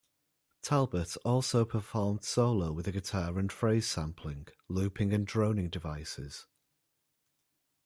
Talbot also performed solo with a guitar and phrase-sampling, looping and droning devices.